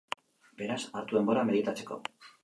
Beraz, hartu denbora meditatzeko.